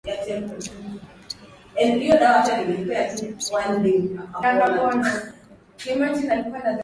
Diwani wa mtaa wa Buza wilaya ya Temeke James Rafael amewataka wakazi wa maeneo